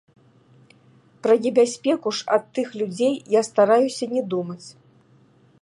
Пра небяспеку ж ад тых людзей я стараюся не думаць.